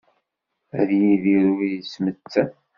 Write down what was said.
Ad yidir ur yettmettat.